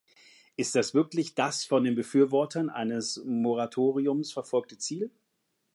Ist das wirklich das von den Befürwortern eines Moratoriums verfolgte Ziel?